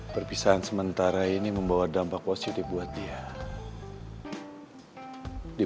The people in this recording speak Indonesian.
perpisahan sementara ini membawa dampak positif buat dia